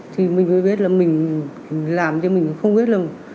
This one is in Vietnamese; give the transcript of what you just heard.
thì mình mới biết là mình làm chứ mình không biết là